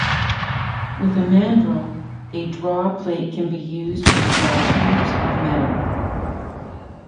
With a mandrel, a draw plate can be used to draw tubes of metal.